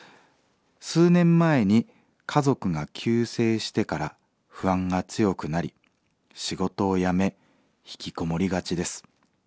「数年前に家族が急逝してから不安が強くなり仕事を辞めひきこもりがちです。